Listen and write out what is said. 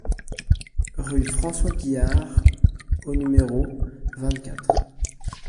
Rue François Guihard au numéro vingt-quatre